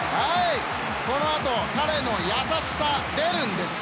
このあと彼の優しさ出るんです。